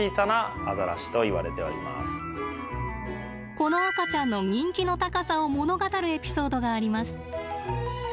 この赤ちゃんの人気の高さを物語るエピソードがあります。